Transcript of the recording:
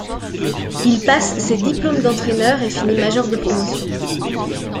Il passe ses diplômes d'entraîneur et finit major de promotion.